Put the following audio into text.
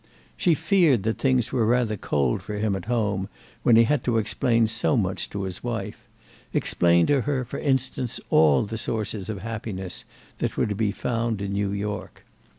She feared that things were rather cold for him at home when he had to explain so much to his wife—explain to her, for instance, all the sources of happiness that were to be found in New York.